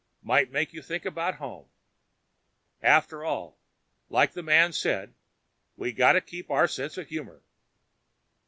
Might make you think about home. After all, like the man says, we got to keep our sense of humor.